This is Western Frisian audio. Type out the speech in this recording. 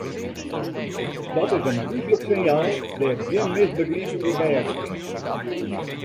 Dat is in dúdlik sinjaal dêr't gjin misbegryp oer wêze kin.